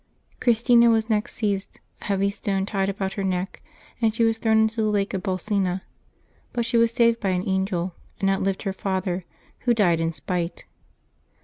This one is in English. Christina was next seized, a heavy stone tied about her neck, and she was thrown into the lake of Bolsena, but she was saved by an angel, and outlived her father, who died of spite.